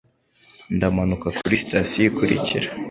Ndamanuka kuri sitasiyo ikurikira.